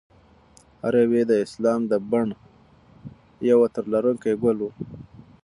هر یو یې د اسلام د بڼ یو عطر لرونکی ګل و.